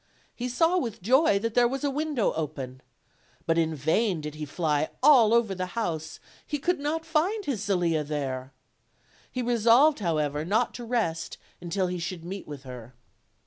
He saw with joy that there was a window open; but in vain did he fly all over the house: he could not find his Zelia there. He resolved, however, not to rest until he should meet with her.